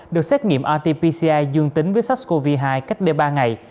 được xét nghiệm rt pci dương tính với sars cov hai cách đây ba ngày